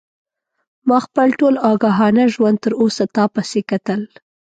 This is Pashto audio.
ما خپل ټول آګاهانه ژوند تر اوسه تا پسې کتل.